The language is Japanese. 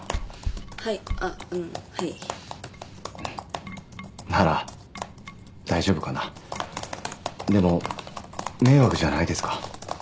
はいあっうんはいなら大丈夫かなでも迷惑じゃないですか？